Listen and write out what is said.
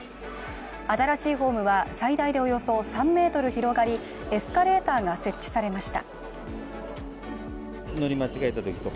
新しいホームは最大でおよそ３ｍ広がりエスカレーターが設置されました。